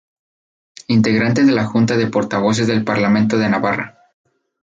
Integrante de la Junta de Portavoces del Parlamento de Navarra.